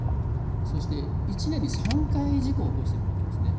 そして、１年に３回事故を起こしているわけですね。